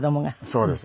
そうです。